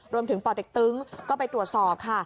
รวมถึงปเต๊กตึ้งก็ไปตรวจสอบค่ะ